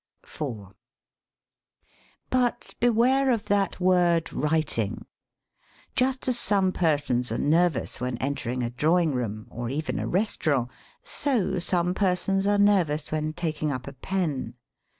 IV But beware of that word "writing.'' Just as some persons are nervous when entering a draw ing room (or even a restaurant !), so some persons are nervous when taking up a pen.